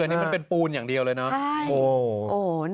อันนี้มันเป็นปูนอย่างเดียวเลยนะใช่โอ้โหน่ารักมาก